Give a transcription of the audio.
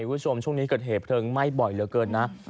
คุณผู้ชมช่วงนี้เกิดเหตุเพลิงไหม้บ่อยเหลือเกินนะ